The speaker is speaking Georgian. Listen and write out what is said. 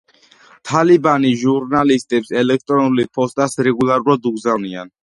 თალიბანი ჟურნალისტებს ელექტრონულ ფოსტას რეგულარულად უგზავნიან.